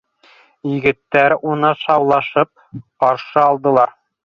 Егеттәр уны шаулашып ҡаршы алдылар.